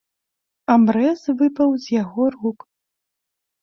Абрэз выпаў з яго рук.